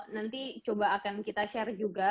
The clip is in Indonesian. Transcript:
nanti coba akan kita share juga